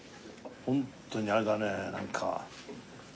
ホントにあれだねなんか。